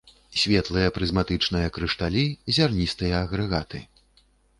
Светлыя прызматычныя крышталі, зярністыя агрэгаты.